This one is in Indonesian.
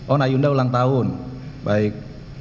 oh nayunda ulang tahun baik